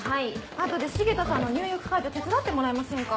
あとで重田さんの入浴介助手伝ってもらえませんか？